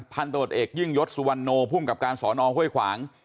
พันตรวจเอกยิ่งยศสุวรรณโนภูมิกับการสอนอห้วยขวาง